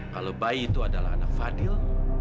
kalau bayi itu adalah anak fadil